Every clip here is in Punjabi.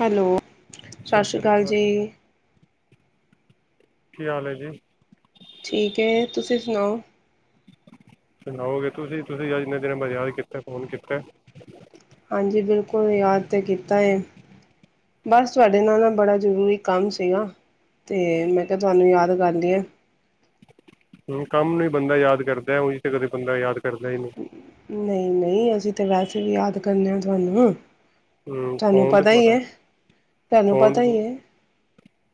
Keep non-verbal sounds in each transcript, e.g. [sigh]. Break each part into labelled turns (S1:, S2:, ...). S1: ਹੈਲੋ, ਸਤਿ ਸ਼੍ਰੀ ਅਕਾਲ ਜੀ।
S2: ਕੀ ਹਾਲ ਐਂ ਜੀ?
S1: ਠੀਕ ਹੈਂ ‌। ਤੁਸੀਂ ਸੁਣਾਓ।
S2: ਸੁਣਾਓਗੇ ਤੁਸੀਂ ਤੁਸੀਂ ਇੰਨੇ ਦਿਨ ਬਾਅਦ ਕੀਤਾ ਫ਼ੋਨ ਕੀਤੇ।
S1: ਹਾਂਜੀ ਬਿਲਕੁਲ ਯਾਦ ਤੇ ਕੀਤਾ ਏ ਬਸ ਤੁਹਾਡੇ ਨਾਲ ਨਾ ਬੜਾ ਜ਼ਰੂਰੀ ਕੰਮ ਸੀ ਗਾ ਤੇ ਮੈਂ ਕਿਹਾਂ ਤੁਹਾਂਨੂੰ ਯਾਦ ਕਰ ਲਈਏ।
S2: ਹੂੰ ਕੰਮ ਨੂੰ ਬੰਦਾ ਯਾਦ ਕਰਦਾ ਉਹੀ ਤੇ ਕਦੇ ਬੰਦਾ ਯਾਦ। ਕਰਦਾ ਹੀ ਨਹੀਂ
S1: ਨਹੀਂ ਨਹੀਂ ਐਸ਼ੀ। ਤੇ ਵੈਸੇ ਵੀ ਯਾਦ ਕਰਨੇ ਆ ਤੁਹਾਂਨੂੰ।
S2: ਹੂੰ
S1: ਤੁਹਾਂਨੂੰ
S2: ਫੋਨ ਤੇ
S1: ਪਤਾਂ ਹੀ
S2: ਤੁਹਾਡਾ
S1: ਏ ਤੁਹਾਂਨੂੰ
S2: ਫੋਨ
S1: ਪਤਾਂ ਹੀ ਏ।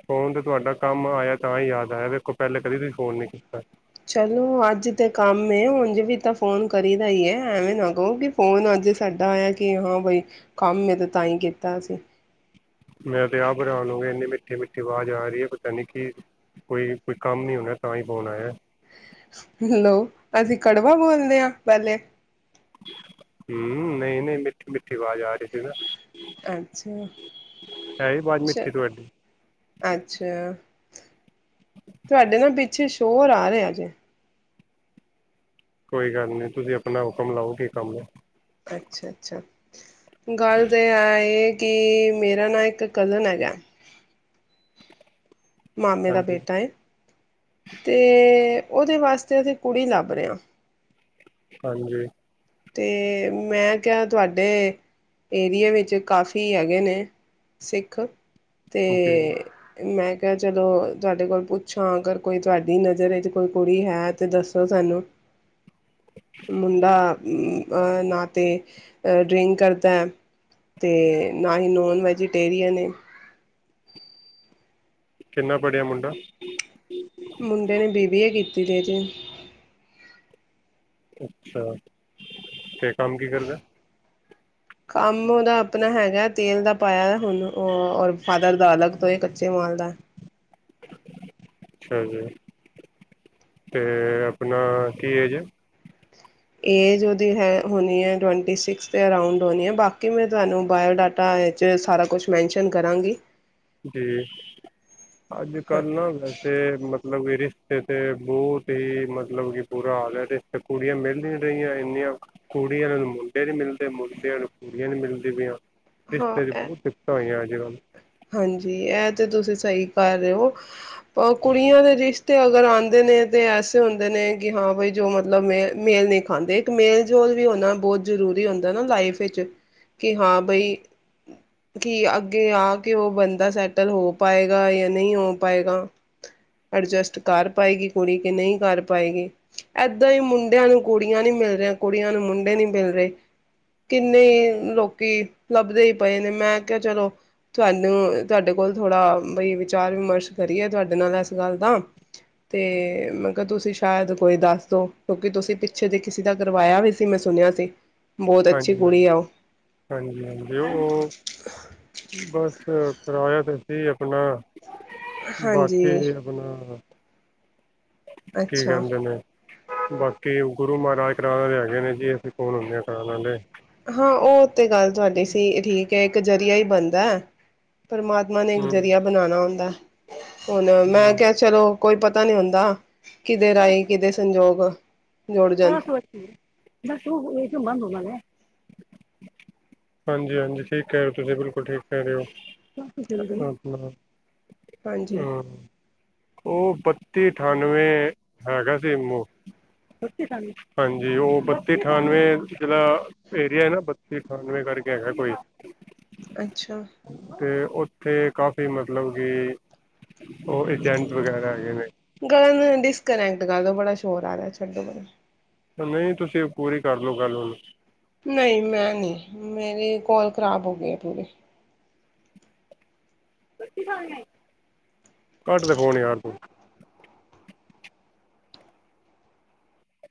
S2: ਫੋਨ ਤਾਂ ਤੁਹਾਡਾ ਕੰਮ ਆਇਆ ਤਾਂ ਹੀ ਯਾਦ ਆਇਆਂ ਵੇਖੋ ਪਹਿਲੇ ਕਦੇ ਵੀ ਫ਼ੋਨ ਨੀਂ ਕੀਤਾਂ
S1: ਚਲੋਂ ਅੱਜ਼ ਤੇ ਕੰਮ ਏ। ਉਜ ਵੀ ਤਾਂ ਫ਼ੋਨ ਕਰੀ ਦਾ ਹੀ ਹੈ। ਐਵੇਂ ਨਾ ਕਹੋ ਕਿ ਫ਼ੋਨ ਅੱਜ਼ ਸਾਡਾ ਆਇਆਂ ਕਿ ਹਾਂ ਬਈ ਕੰਮ ਏ ਤਾਂ ਤਾਂਹੀਂ ਕੀਤਾ ਅਸੀਂ।
S2: ਮੈਂ ਤੇ ਆਪ ਹੈਰਾਨ ਹੋ ਗਿਆ। ਇੰਨੀ ਮਿੱਠੀ ਮਿੱਠੀ ਆਵਾਜ਼ ਆ ਰਹੀ ਹੈਂ। ਪਤਾਂ ਨੀਂ ਕਿ ਕੋਈ ਕੋਈ ਕੰਮ ਹੀ ਹੋਣਾਂ ਤਾਂ ਹੀ ਫ਼ੋਨ ਆਇਆਂ
S1: ਲੋ ਅਸੀਂ ਕੜਵਾ ਬੋਲਦੇ ਹਾਂ। ਪਹਿਲੇ
S2: ਹੂੰ, ਨਹੀਂ ਨਹੀਂ ਮਿੱਠੀ ਮਿੱਠੀ ਆਵਾਜ਼ ਆ ਰਹੀ ਸੀ ਨਾ।
S1: ਅੱਛਾ।
S2: ਹੈ ਹੀ ਆਵਾਜ਼ ਮਿੱਠੀ
S1: ਚਲੋ
S2: ਤੁਹਾਡੀ
S1: ਅੱਛਾ। ਤੁਹਾਡੇ ਨਾ ਪਿੱਛੇ। ਚੋਰ ਆ ਰਿਹੇ ਅਜੇ
S2: ਕੋਈ ਗੱਲ਼ ਨੀਂ ਤੁਸੀਂ ਆਪਣਾਂ ਹੁਕਮ ਲਾਓ ਕੀ ਕੰਮ ਏ
S1: ਅੱਛਾ ਅੱਛਾ। ਗੱਲ਼ ਤੇ ਇਹ ਕਿ ਮੇਰਾ ਨਾ ਇੱਕ ਕਜ਼ਨ ਹੈਗਾ। ਮਾਮੇ ਦਾ
S2: ਹਾਂਜੀ
S1: ਬੇਟਾ ਏਂ -ਤੇ ਉਹਦੇ ਵਾਸਤੇ ਅਸੀਂ ਕੁੜੀ ਲੱਭ ਰਹੇਂ ਹਾਂ।
S2: ਹਾਂਜੀ।
S1: ਤੇ ਮੈਂ ਕਿਹਾ ਤੁਹਾਡੇ ਏਰੀਏ ਵਿੱਚ ਕਾਫ਼ੀ ਹੈਗੇ ਨੇਂ ਸਿੱਖ। ਤੇ
S2: ਜੀ
S1: ਮੈਂ। ਤੇ ਜਦੋ ਤੁਹਾਡੇ ਕੋਲ ਪੁੱਛਾਂ ਅਗਰ ਕੋਈ ਤੁਹਾਡੀ ਨਜਰ ਵਿਚ ਕੋਈ ਕੁੜੀ ਹੈ ਤੇ ਦੱਸੋ ਸਾਨੂੰ ਮੁੰਡਾ ਉਮ ਆਂ ਨਾ ਤੇ ਡਰਿੰਕ ਕਰਤਾ ਹੈ ਤੇ ਨਾ ਹੀ ਨੋਨ ਵੈਜੀਟੇਰੀਅਨ ਏ।
S2: ਕਿੰਨਾ ਪੜਿਆ ਮੁੰਡਾ?
S1: ਮੁੰਡੇ ਨੇ ਬੀ ਬੀ ਏ ਕੀਤੀ ਦੀ ਹੈ ਜੀ।
S2: ਅੱਛਾ ਠੀਕ ਕੰਮ ਕੀ ਕਰਦਾ ਹੈ।
S1: ਕੰਮ ਉਹਦਾ ਆਪਨਾ ਹੈਗਾ ਤੇਲ ਦਾ ਪਾਇਆ ਏ। ਹੁਣ ਉਹ ਔਰ ਫਾਦਰ ਦਾ ਅਲੱਗ ਤੋ ਏ ਕੱਚੇ ਮਾਲ ਦਾ।
S2: ਅੱਛਾ ਜੀ ਤੇ ਆਪਨਾ ਕੀ ਏਜ ਐ।
S1: ਏਜ ਉਹਦੀ ਹੈ ਹੋਉਨੀ ਹੈ ਟਵੰਟੀ ਸਿਕਸ ਦੇ ਅਰਾਉਂਡ ਹੋਉਨੀ ਹੈ ਬਾਕੀ ਮੈਂ ਤੁਹਾਨੂੰ ਬਾਯੋਡਾਟਾ ਇਚ ਸਾਰਾ ਕੁਛ ਮੈਨਸ਼ਨ ਕਰਾਂਗੀ।
S2: ਜੀ ਅੱਜ
S1: ਹਾਂ
S2: ਕੱਲ ਨਾ ਵੈਸੇ ਮਤਲਬ [unintelligible] ਇੱਥੇ ਤੇ ਬਹੁਤ ਹੀ ਮਤਲਬ ਕਿ ਬੁਰਾ ਹਾਲ ਹੈ ਤੇ ਇਥੇ ਕੁੜੀਆਂ ਮਿਲ ਨੀ ਰਹੀਆਂ ਇੰਨੀਆਂ ਕੁੜੀਆਂ ਆਲਿਆਂ ਨੂੰ ਮੁੰਡੇ ਨਹੀਂ ਮਿਲਦੇ ਮੁੰਡਿਆਂ ਨੂੰ ਕੁੜੀਆਂ ਨੀ ਮਿਲਦੀ ਪਈਆਂ। ਰਿਸ਼ਤੇ ਦੀ
S1: ਹਾਂ
S2: ਬਹੁਤ [unintelligible] ਹੋਈਆਂ। [unintelligible]
S1: ਹਾਂਜੀ ਇਹ ਤੇ ਤੁਸੀ ਸਹੀ ਕਰ ਰਹੇ ਹੋ ਪਰ ਕੁੜੀਆਂ ਦੇ ਰਿਸ਼ਤੇ ਅਗਰ ਆਉਂਦੇ ਨੇਂ ਤੇ ਐਸੇ ਹੁੰਦੇ ਨੇਂ ਕਿ ਹਾਂ ਬਈ ਜੋ ਮਤਲਬ ਮੇ ਮੇਲ ਨਹੀਂ ਖਾਂਦੇ ਇੱਕ ਮੇਲ ਜੋਲ ਵੀ ਹੋਨਾ ਬਹੁਤ ਜਰੂਰੀ ਹੁੰਦਾ ਏ ਨਾ ਲਾਈਫ ਵਿੱਚ ਕਿ ਹਾਂ ਬਈ ਹੁਹ ਕੀ ਅੱਗੇ ਆ ਕਿ ਉਹ ਬੰਦਾ ਸੈਟਲ ਹੋ ਪਾਏਗਾ ਯਾ ਨਹੀਂ ਹੋ ਪਾਏਗਾ ਐਡਜਸਟ ਕਰ ਪਾਏਗੀ ਕੁੜੀ ਕਿ ਨਹੀਂ ਕਰ ਪਾਏਗੀ ਏਹਦਾਂ ਹੀ ਮੁੰਡਿਆਂ ਨੂੰ ਕੁੜੀਆਂ ਨਹੀਂ ਮਿਲ ਰਹਿਆਂ ਕੁੜੀਆਂ ਨੂੰ ਮੁੰਡੇ ਨੀ ਮਿਲ ਰਹੇ ਕਿੰਨੇ ਲੋਕੀ ਲੱਭਦੇ ਹੀ ਪਏ ਨੇ ਮੈਂ ਕਿਹਾ ਚਲੋ ਤੁਹਾਨੂੰ ਤੁਹਾਡੇ ਕੋਲ ਥੋੜ੍ਹਾ ਬਈ ਵਿਚਾਰ ਵਿਮਰਸ਼ ਕਰੀਏ ਤੁਹਾਡੇ ਨਾਲ ਇਸ ਗੱਲ ਦਾ ਤੇ ਮੈਂ ਕਿਹਾ ਤੁਸੀਂ ਸ਼ਾਇਦ ਕੋਈ ਦੱਸ ਦੋ ਕਿਉਂਕਿ ਤੁਸੀ ਪਿੱਛੇ ਦੀ ਕਿਸੀ ਦਾ ਕਰਵਾਇਆ ਵੀ ਸੀ ਮੈਂ ਸੁਨਿਆ ਸੀ। ਬਹੁਤ ਅੱਛੀ ਕੁੜੀ ਆ ਉਹ
S2: ਹਾਂਜੀ-ਹਾਂਜੀ-ਹਾਂਜੀ-ਹਾਂਜੀ ਉਹ ਬਸ ਅ ਕਰਾਇਇਆ ਤੇ ਸੀ ਆਪਨਾ।
S1: ਹਾਂਜੀ
S2: ਬਾਕੀ ਆਪਨਾ ਕੀ
S1: ਅੱਛਾ
S2: ਕਹਿੰਦੇ ਨੇ। ਬਾਕੀ ਗੁਰੂ ਮਹਾਰਾਜ ਕਰਾਉਨ ਵਾਲੇ ਹੈਗੇ ਨੇ ਜੀ ਅਸੀ ਕੌਨ ਹੁੰਨੇਂ ਹਾਂ ਕਰਾਨ ਆਲੇ।
S1: ਹਾਂ ਉਹ ਤੇ ਗੱਲ ਤੁਹਾਡੀ ਸਹੀ ਏ ਠੀਕ ਹੈ। ਕ ਜਰੀਆ ਹੀ ਬੰਦਾ ਹੈ। ਪਰਮਾਮਾ ਨੇ ਇੱਕ ਜਰੀਆ
S2: ਹੂੰ
S1: ਬਨਾਉਨਾ ਹੁੰਦਾ ਏ। ਹੁਨ ਮੈਂ ਕਿਹਾ ਚਲੋ। ਕੋਈ ਪਤਾ ਨੀ ਹੁੰਦਾ। ਕਿਦੇ ਰਾਹੀ ਕਿਦੇ ਸੰਜੋਗ। ਜੁੜ
S2: [unintelligible]
S1: ਜਾਣ
S2: ਬਸ ਓਹ ਇਕ [unintelligible] ਹਾਂਜੀ-ਹਾਂਜੀ ਠੀਕ ਕਹਿ ਰਹੇ ਹੋ ਤੁਸੀ ਬਿਲਕੁਲ ਠੀਕ ਕਹਿ ਰਹੇ ਹੋ।
S1: ਹਾਂਜੀ
S2: [unintelligible] ਉਹ ਬੱਤੀ ਅਠਾਨਵੇਂ ਹੈਗਾ [unintelligible] [unintelligible] ਹਾਂਜੀ ਉਹ ਬੱਤੀ ਅਠਾਨਵੇਂ ਜਿਹਦਾ ਏਰੀਆ ਹੈ ਨਾ ਬੱਤੀ ਅਠਾਨਵੇਂ ਕਰਕੇ ਹੈਗਾ ਐ ਕੋਈ।
S1: ਅੱਛਾ
S2: ਤੇ ਓੱਥੇ ਕਾਫੀ ਮਤਲਬ ਕਿ ਉਹ ਏਜੇਂਟ ਵਗੈਰਾ ਹੈਗੇ ਨੇਂ।
S1: ਅੱਜ ਗੱਲ੍ਹ ਤੋਂ ਬੜਾ ਸ਼ੋਰ ਆ ਰਿਹਾ ਛੱਡੋ ਬੜ
S2: ਨਹੀਂ ਤੁਸੀਂ ਪੂਰੀ ਕਰਲਓ ਗੱਲ ਹੁਣ
S1: ਨਹੀਂ ਮੈਂ ਨਹੀਂ ਮੇਰੀ ਕੌਲ ਖ਼ਰਾਬ ਹੋ ਗਈ ਪੂਰੀ।
S2: ਗਾਲ [unintelligible] ਕੱਟ ਦੇ ਫੋਨ ਯਾਰ ਤੂੰ